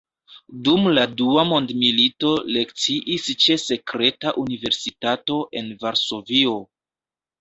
Dum la dua mondmilito lekciis ĉe sekreta universitato en Varsovio.